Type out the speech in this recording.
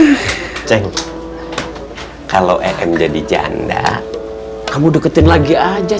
ceng kalau em jadi janda kamu deketin lagi aja